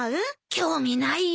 興味ないよ。